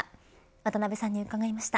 渡辺さんに伺いました。